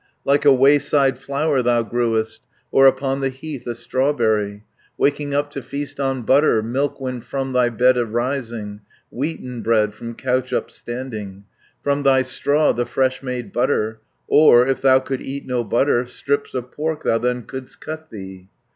Like a wayside flower thou grewest, Or upon the heath a strawberry, Waking up to feast on butter, Milk, when from thy bed arising, 80 Wheaten bread, from couch upstanding, From thy straw, the fresh made butter, Or, if thou could eat no butter, Strips of pork thou then could'st cut thee.